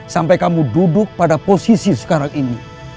sampai kamu duduk pada posisi sekarang ini